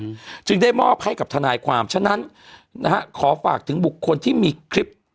อืมจึงได้มอบให้กับทนายความฉะนั้นนะฮะขอฝากถึงบุคคลที่มีคลิป